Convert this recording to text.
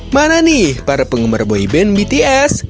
mana nih para penggemar boyband bts